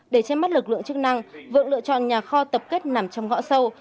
để che mắt lực lượng chức năng vượng lựa chọn nhà kho tập kết nằm trong ngõ sâu